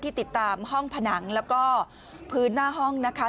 ติดตามห้องผนังแล้วก็พื้นหน้าห้องนะคะ